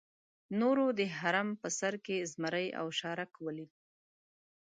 نورو د هرم په سر کې زمري او شارک ولیدل.